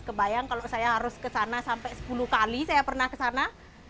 kebayang kalau saya harus ke sana sampai sepuluh kali saya pernah ke sana